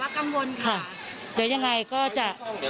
เดี๋ยวยังไงก็จะ